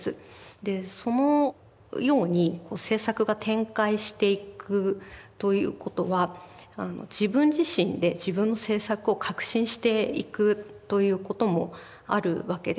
でそのように制作が展開していくということは自分自身で自分の制作を革新していくということもあるわけです。